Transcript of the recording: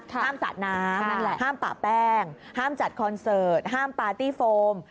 ห้ามสระน้ำห้ามปะแป้งห้ามจัดคอนเสิร์ตห้ามปาร์ตี้โฟม